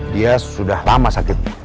dia sudah lama sakit